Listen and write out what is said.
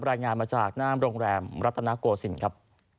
รายงานมาจากหน้าโรงแรมรัฐนาโกศิลป์ครับ